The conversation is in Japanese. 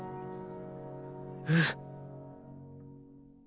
うん。